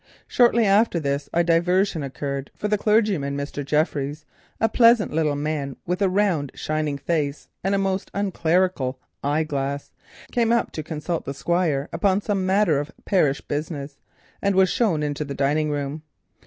Shortly after this a diversion occurred, for the clergyman, Mr. Jeffries, a pleasant little man, with a round and shining face and a most unclerical eyeglass, came up to consult the Squire upon some matter of parish business, and was shown into the dining room.